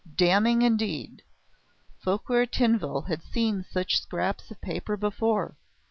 Damning indeed! Fouquier Tinville had seen such scraps of paper before.